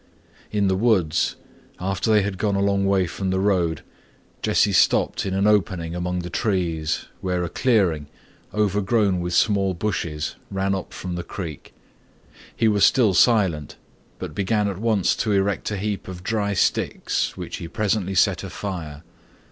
In the woods, after they had gone a long way from the road, Jesse stopped in an opening among the trees where a clearing, overgrown with small bushes, ran up from the creek. He was still silent but began at once to erect a heap of dry sticks which he presently set afire.